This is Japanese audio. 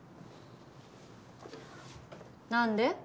何で？